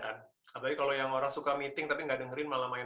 apalagi kalau yang orang suka meeting tapi nggak dengerin malah main